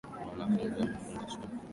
Wanafunzi wamefunga shule.